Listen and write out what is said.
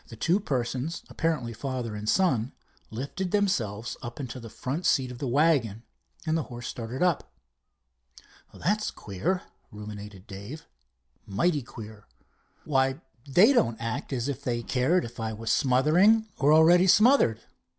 Two persons, apparently father and son, lifted themselves up into the front seat of the wagon, and the horse started up. "That's queer," ruminated Dave, "mighty queer. Why, they don't act as if they cared if I was smothering or already smothered.